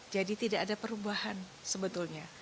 jadi tidak ada perubahan sebetulnya